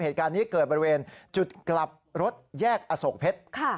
เหตุการณ์นี้เกิดบริเวณจุดกลับรถแยกอโศกเพชร